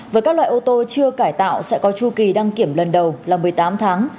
với các loại ô tô chưa cải tạo sẽ có chu kỳ đăng kiểm lần đầu là một mươi tám tháng